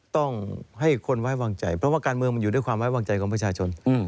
ต้องให้คนไว้วางใจเพราะว่าการเมืองมันอยู่ด้วยความไว้วางใจของประชาชน